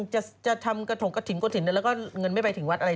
จะทำกระถงกระถิ่นกระถิ่นแล้วก็เงินไม่ไปถึงวัดอะไร